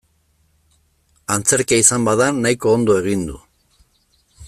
Antzerkia izan bada nahiko ondo egin du.